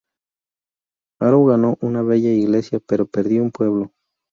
Haro ganó una bella iglesia, pero perdió un pueblo.